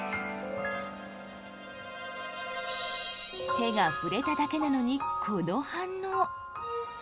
手が触れただけなのにこの反応。